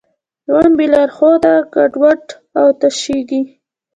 ژوند بېلارښوده ګډوډ او تشېږي.